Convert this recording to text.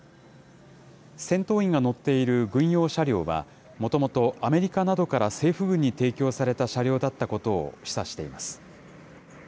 戦闘員が乗っている軍用車両は、もともとアメリカなどから政府軍に提供された車両だったことを示唆しています。